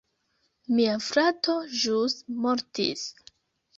Mia frato ĵus mortis